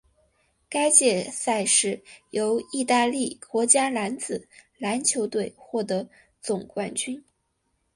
该届赛事由义大利国家男子篮球队获得总冠军。